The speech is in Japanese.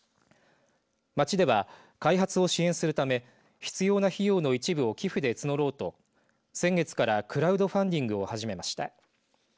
町では、開発を支援するため必要な費用の一部を寄付で募ろうと先月からクラウドファンディングを始めました。